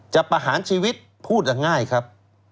ประหารชีวิตพูดง่ายครับ